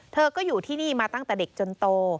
เธอก็อยู่ที่นี่มาตั้งแต่เด็กจนโต